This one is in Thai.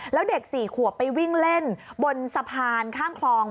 แล้วเด็ก๔ขวบไปวิ่งเล่นบนสะพานข้ามคลอง